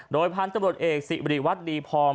โดยพันธุ์ตำรวจเอกสิบริวัตรดีพอง